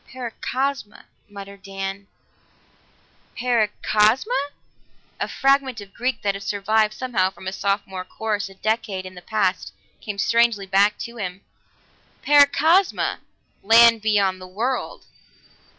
"Paracosma," muttered Dan. "Para cosma!" A fragment of Greek that had survived somehow from a Sophomore course a decade in the past came strangely back to him. Paracosma! Land beyond the world!